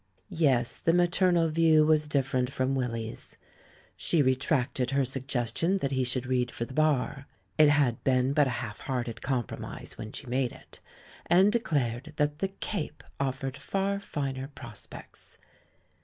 Yes, the maternal view was different from Willy's. She retracted her suggestion that he should read for the Bar — it had been but a half hearted compromise when she made it — and de clared that the Cape offered far finer prospects.